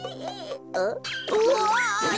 うわ！